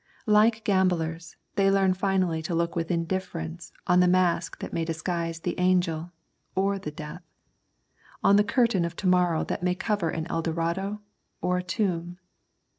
Like gamblers, they learn finally to look with indifference on the mask that may disguise the angel, or the death; on the curtain of to morrow that may cover an Eldorado or a tomb.